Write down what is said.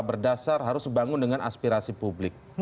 berdasar harus bangun dengan aspirasi publik